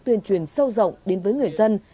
tuyên truyền sâu rộng đến với người dân